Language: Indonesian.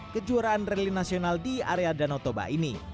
kejuaraan rally nasional di area danau toba ini